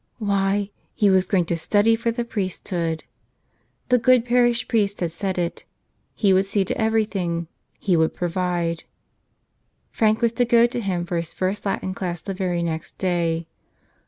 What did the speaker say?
Why, he was going to study for the priesthood! The good parish priest had said it: he would see to everything, he would provide. Frank was to go to him for his first Latin class the very next day.